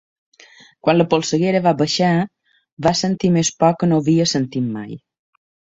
Quan la polseguera va baixar, va sentir més por que no havia sentit mai.